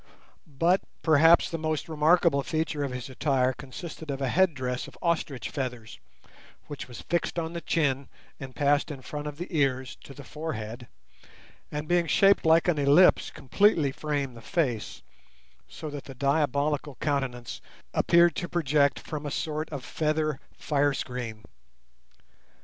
But perhaps the most remarkable feature of his attire consisted of a headdress of ostrich feathers, which was fixed on the chin, and passed in front of the ears to the forehead, and, being shaped like an ellipse, completely framed the face, so that the diabolical countenance appeared to project from a sort of feather fire screen.